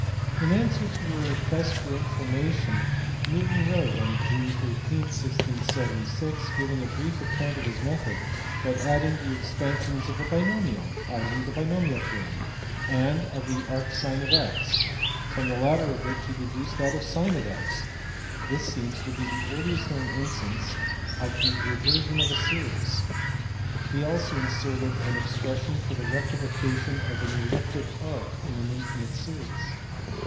In answer to a request for information Newton wrote on June 13, 1676, giving a brief account of his method, but adding the expansions of a binomial (i.e. the binomial theorem) and of sin" 1 x\ from the latter of which he deduced that of sin x, this seems to be the earliest known instance of a reversion of series. He also inserted an expression for the rectification of an elliptic arc in an infinite series.